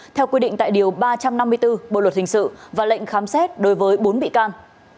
theo quy định tại điều ba trăm năm mươi bốn bộ luật hình sự và lệnh khám xét đối với bốn bị can